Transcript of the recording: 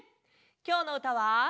きょうのうたは。